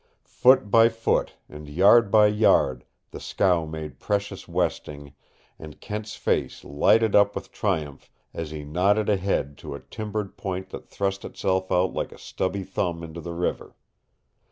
Foot by foot and yard by yard the scow made precious westing, and Kent's face lighted up with triumph as he nodded ahead to a timbered point that thrust itself out like a stubby thumb into the river.